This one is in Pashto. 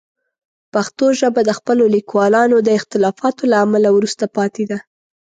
پښتو ژبه د خپلو لیکوالانو د اختلافاتو له امله وروسته پاتې ده.